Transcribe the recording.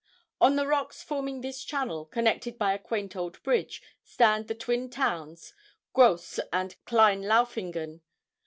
On the rocks forming this channel, connected by a quaint old bridge, stand the twin towns, Gross and Klein Laufingen.